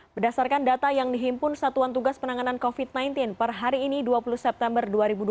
berdasarkan data yang dihimpun satuan tugas penanganan covid sembilan belas per hari ini dua puluh september dua ribu dua puluh